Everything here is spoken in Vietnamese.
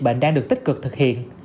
bệnh đang được tích cực thực hiện